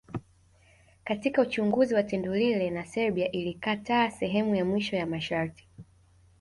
Katika Uchunguzi wa tendo lile na Serbia ilikataa sehemu ya mwisho ya masharti